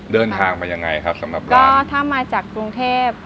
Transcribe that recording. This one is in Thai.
เดินทางไปยังไงคะสำหรับร้านก็ถ้ามาจากกรูเขม